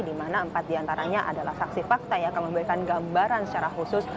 di mana empat diantaranya adalah saksi fakta yang akan memberikan gambaran secara khusus